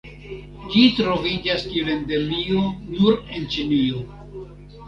Ĝi troviĝas kiel endemio nur en Ĉinio.